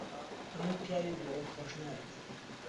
ئەمن پیاوی دووڕووم خۆش ناوێت.